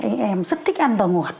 em rất thích ăn đồ ngọt